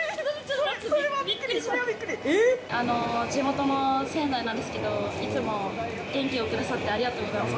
それはビックリ、それはビッ地元の、仙台なんですけど、いつも元気をくださってありがとうございます。